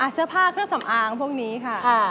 เสื้อผ้าเครื่องสำอางพวกนี้ค่ะ